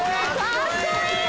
かっこいい！